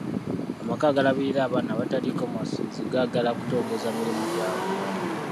Amaka agalabirira abaana abataliiko mwasirizi gaagala kutongoza mirimu gyago.